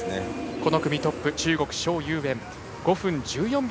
この組トップ中国、蒋裕燕５分１４秒